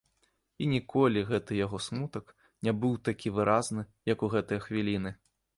І ніколі гэты яго смутак не быў такі выразны, як у гэтыя хвіліны.